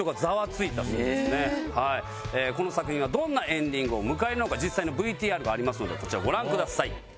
この作品がどんなエンディングを迎えるのか実際のＶＴＲがありますのでこちらをご覧ください。